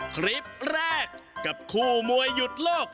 คลิปแรกกับคู่มวยหยุดโลก